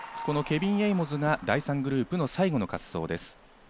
ケビン・エイモズが第３グループ最後の滑走です。